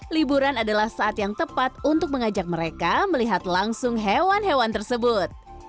liburan adalah saat yang tepat untuk mengajak mereka melihat langsung hewan hewan tersebut